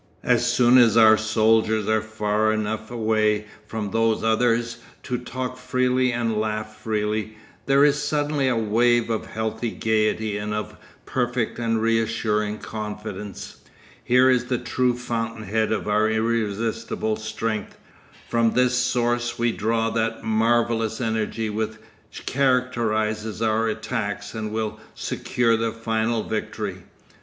As soon as our soldiers are far enough away from those others to talk freely and laugh freely, there is suddenly a wave of healthy gaiety and of perfect and reassuring confidence. Here is the true fountain head of our irresistible strength; from this source we draw that marvellous energy which characterises our attacks and will secure the final victory.